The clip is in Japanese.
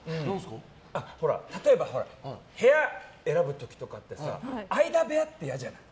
例えば、部屋選ぶ時とかって間部屋って嫌じゃない。